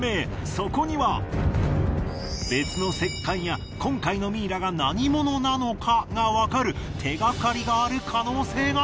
そこには別の石棺や今回のミイラが何者なのかがわかる手がかりがある可能性が。